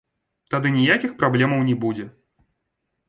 Тады ніякіх праблемаў не будзе.